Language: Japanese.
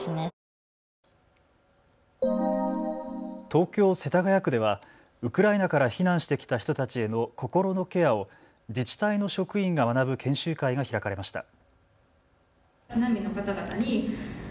東京世田谷区ではウクライナから避難してきた人たちへの心のケアを自治体の職員が学ぶ研修会が開かれました。